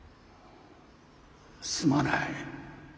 すまない。